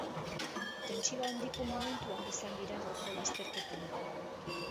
Tentsio handiko momentuak izan dira gaurko lasterketan.